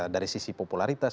dari sisi popularitas